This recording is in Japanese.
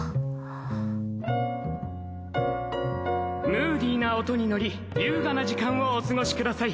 ムーディーな音にのり優雅な時間をお過ごしください。